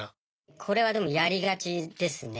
これはでもやりがちですね。